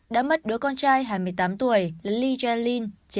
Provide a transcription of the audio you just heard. đã mất đứa con trai hai mươi tám tuổi